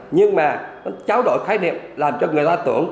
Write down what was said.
nhưng mà nó trao đổi khái niệm làm cho người ta tưởng